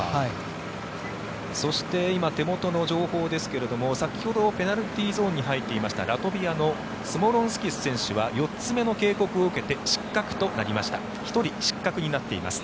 そして今手元の情報ですが先ほどペナルティーゾーンに入っていましたラトビアのスモロンスキス選手は４つ目の警告を受けて失格となりました。